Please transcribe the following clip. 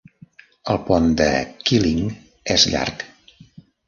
El pont de Kylling és llarg.